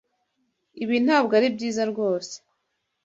Ibi ntabwo ari byiza rwose.